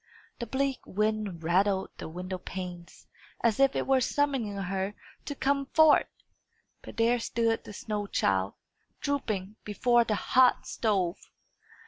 The bleak wind rattled the window panes, as if it were summoning her to come forth. But there stood the snow child, drooping, before the hot stove!